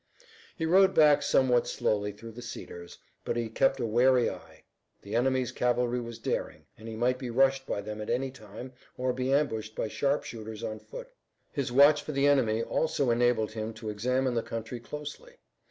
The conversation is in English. He rode back somewhat slowly through the cedars, but he kept a wary eye. The enemy's cavalry was daring, and he might be rushed by them at any time or be ambushed by sharpshooters on foot. His watch for the enemy also enabled him to examine the country closely.